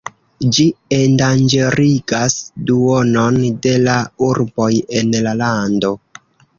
Ĝi endanĝerigas duonon de la urboj en la lando.